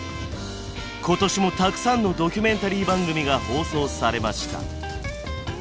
今年もたくさんのドキュメンタリー番組が放送されました。